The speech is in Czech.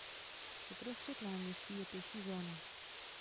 Uprostřed náměstí je pěší zóna.